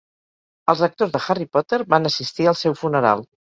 Els actors de Harry Potter van assistir al seu funeral.